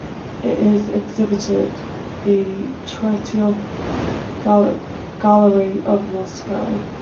It is exhibited in the Tretyakov Gallery of Moscow.